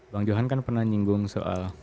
bang johan kan pernah nyinggung soal